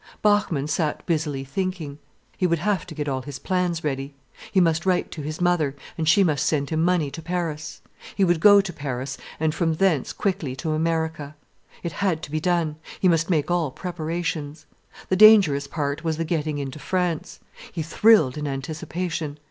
Bachmann sat busily thinking. He would have to get all his plans ready. He must write to his mother, and she must send him money to Paris. He would go to Paris, and from thence, quickly, to America. It had to be done. He must make all preparations. The dangerous part was the getting into France. He thrilled in anticipation.